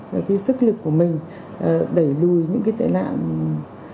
cái sức lực của mình đẩy lùi những cái tệ nạn ma túy này